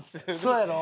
そうやろ？